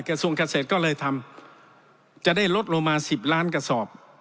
กระทรวงเกษตรก็เลยทำจะได้ลดลงมา๑๐ล้านกระสอบ